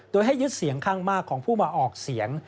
โดยให้ยึดเสียงข้างมากของผู้มาออกเสียง